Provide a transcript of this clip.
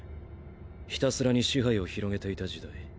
ひたすらに支配を拡げていた時代。